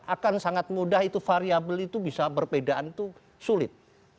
akan sangat mudah itu variable itu bisa berbedaan itu sulit